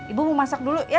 ibu mau masak dulu ya